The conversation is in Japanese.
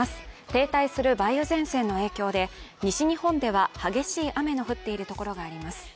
停滞する梅雨前線の影響で西日本では激しい雨の降っているところがあります。